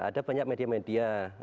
ada banyak media media